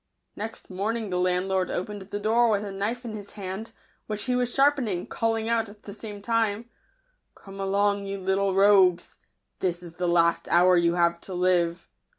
Next morning the landlord opened the door with a knife in his hand, which he was sharpening, calling out, at the same time, " Come along, you little rogues ; this is the last hour you have to live."